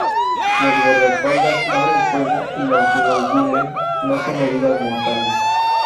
Los guardaespaldas abren fuego y, aunque lo hieren, no son heridas mortales.